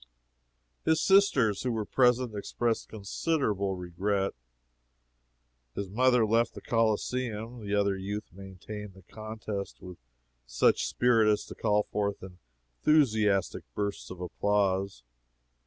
His sisters, who were present, expressed considerable regret. His mother left the Coliseum. The other youth maintained the contest with such spirit as to call forth enthusiastic bursts of applause.